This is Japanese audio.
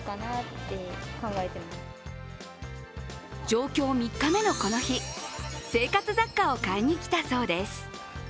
上京３日目のこの日、生活雑貨を買いに来たそうです。